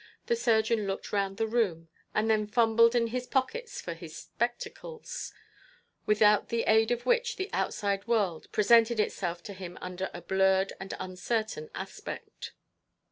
The surgeon looked round the room, and then fumbled in his pockets for his spectacles, without the aid of which the outside world presented itself to him under a blurred and uncertain aspect.